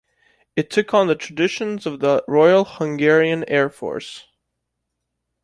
It took on the tradititons of the Royal Hungarian Air Force.